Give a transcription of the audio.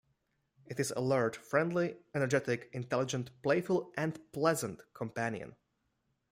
It is alert, friendly, energetic, intelligent, playful and a pleasant companion.